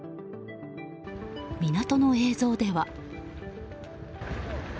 港の映像では。